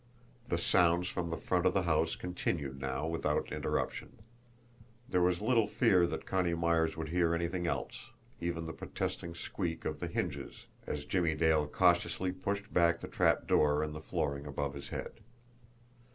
The sounds from the front of the house continued now without interruption; there was little fear that Connie Myers would hear anything else even the protesting squeak of the hinges as Jimmie Dale cautiously pushed back the trapdoor in the flooring above his head.